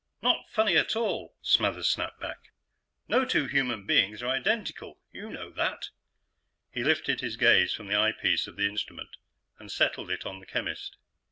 "Not funny at all," Smathers snapped back. "No two human beings are identical you know that." He lifted his gaze from the eyepiece of the instrument and settled in on the chemist.